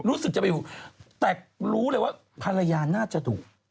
รู้สึกจะไปอยู่แต่รู้เลยว่าภรรยาน่าจะถูก